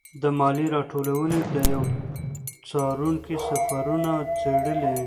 د مالیې راټولونې د یوه څارونکي سفرونه څېړلي.